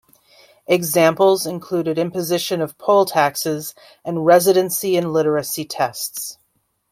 Examples included imposition of poll taxes and residency and literacy tests.